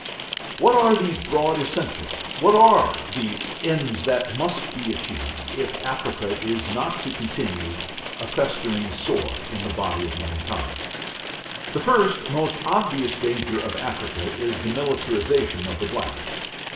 What are these broad essentials? What are the ends that must be achieved if Africa is not to continue a festering sore in the body of mankind? The first most obvious danger of Africa is the militarization of the black.